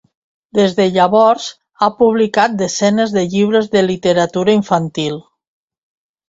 Des de llavors, ha publicat desenes de llibres de literatura infantil.